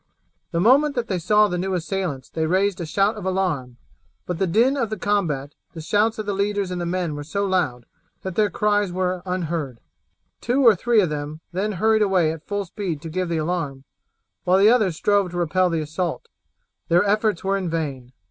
The moment that they saw the new assailants they raised a shout of alarm, but the din of the combat, the shouts of the leaders and men were so loud, that their cries were unheard. Two or three then hurried away at full speed to give the alarm, while the others strove to repel the assault. Their efforts were in vain.